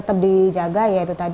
tetap dijaga ya